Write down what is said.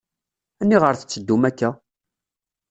Aniɣer tetteddum akk-a?